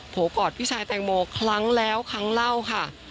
กอดพี่ชายแตงโมครั้งแล้วครั้งเล่าค่ะ